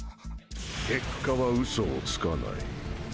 結果は嘘をつかない。